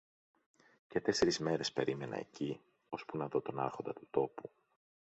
Και τέσσερεις μέρες περίμενα εκεί, ώσπου να δω τον Άρχοντα του τόπου.